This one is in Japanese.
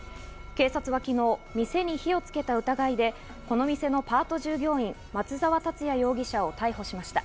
警察は昨日、店に火をつけた疑いで、この店のパート従業員・松沢達也容疑者を逮捕しました。